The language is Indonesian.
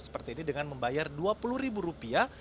seperti ini dengan membayar dua puluh ribu rupiah